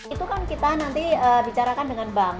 itu kan kita nanti bicarakan dengan bank